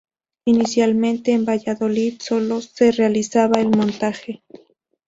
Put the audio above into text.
Inicialmente en Valladolid solo se realizaba el montaje.